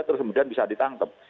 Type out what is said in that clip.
terus kemudian bisa ditangkap